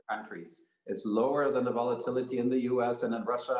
jadi ada sesuatu tentang indonesia